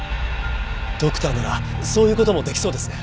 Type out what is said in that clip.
ドクターならそういう事も出来そうですね。